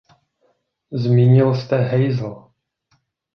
Zmínil jste Heysel.